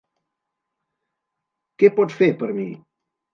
Què pot fer per mi?